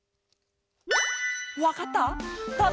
わかった？